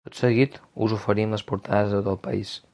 Tot seguit us oferim les portades de tot el país.